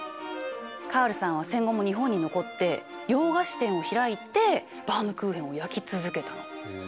カールさんは戦後も日本に残って洋菓子店を開いてバウムクーヘンを焼き続けたの。